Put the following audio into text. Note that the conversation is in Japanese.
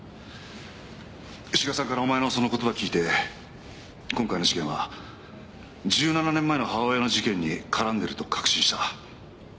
志賀さんからお前のその言葉を聞いて今回の事件は１７年前の母親の事件に絡んでいると確信した。